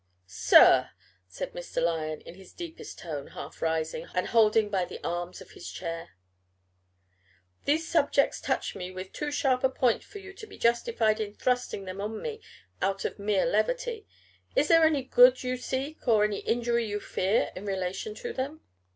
"Sir!" said Mr. Lyon, in his deepest tone, half rising, and holding by the arms of his chair, "these subjects touch me with too sharp a point for you to be justified in thrusting them on me out of mere levity. Is there any good you seek or any injury you fear in relation to them?"